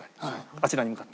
あちらに向かって。